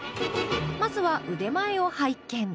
まずは腕前を拝見。